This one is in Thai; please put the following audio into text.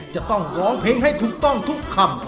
จะต้องร้องเพลงให้ถูกต้องทุกคำ